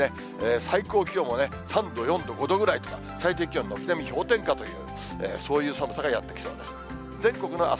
最高気温は３度、４度、５度ぐらいとか、最低気温、軒並み氷点下という、そういう寒さがやって来そうです。